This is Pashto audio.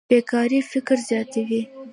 بېکاري فقر زیاتوي.